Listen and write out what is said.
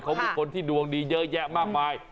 เขามีคนที่ดวงดีเยอะแยะมากมาย